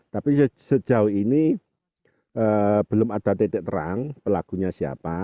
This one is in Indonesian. tapi sejauh ini belum ada titik terang pelakunya siapa